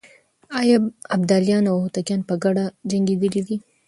آيا ابداليان او هوتکان په ګډه جنګېدلي دي؟